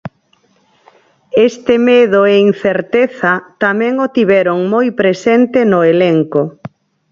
Este medo e incerteza tamén o tiveron moi presente no elenco.